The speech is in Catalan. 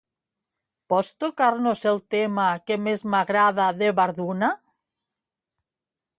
Pots tocar-nos el tema que més m'agrada de Warduna?